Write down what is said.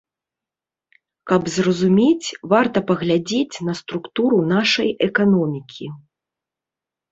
Каб зразумець, варта паглядзець на структуру нашай эканомікі.